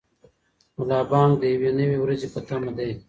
ملا بانګ د یوې نوې ورځې په تمه دی.